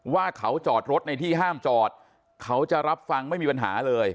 ว่าเขาจอดรถในที่ห้ามจอดเขาจะรับฟังไม่มีปัญหาเลย